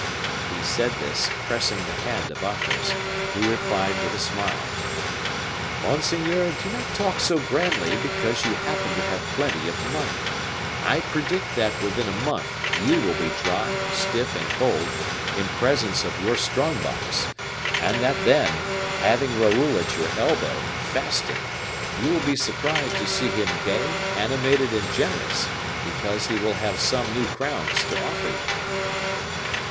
He said this, pressing the hand of Athos, who replied with a smile, "Monseigneur, do not talk so grandly because you happen to have plenty of money. I predict that within a month you will be dry, stiff, and cold, in presence of your strong box, and that then, having Raoul at your elbow, fasting, you will be surprised to see him gay, animated, and generous, because he will have some new crowns to offer you."